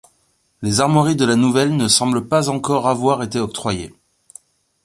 Les armoiries de la nouvelle ne semblent pas encore avoir été octroyées.